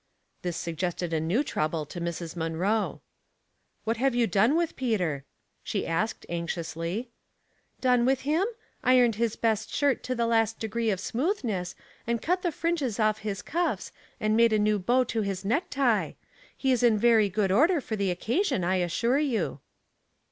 This suggested a new trouble to Mrs. Munroe. " What have you done with Peter ?" she asked, anxiously. *' Done with him ? Ironed his best shirt to the last degree of smoothness, and cut the friugea The Force of Argument. 227 off his cuffs, and made a new bow to his necktie. He is in very good order for the occasion, I assure you."